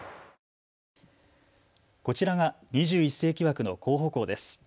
こちらが２１世紀枠の候補校です。